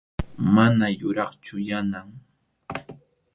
Mana yuraqchu Yanam.